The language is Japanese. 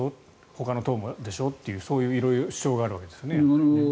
ほかの党もでしょうとそういう色々主張があるわけですよね。